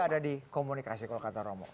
ada di komunikasi kalau kata romo